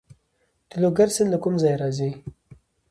د لوګر سیند له کوم ځای راځي؟